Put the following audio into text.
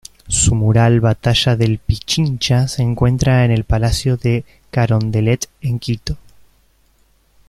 Su mural Batalla del Pichincha se encuentra en el Palacio de Carondelet en Quito.